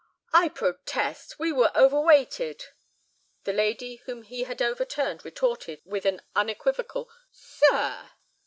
"I protest. We were overweighted—" The lady whom he had overturned retorted with an unequivocal "Sir!"